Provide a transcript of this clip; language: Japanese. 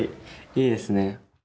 いいですね。